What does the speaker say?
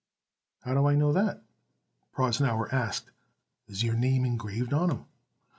"How do I know that?" Prosnauer asked. "Is your name engraved on 'em?"